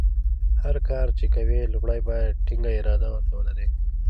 هر کار چې کوې لومړۍ باید ټینګه اراده ورته ولرې.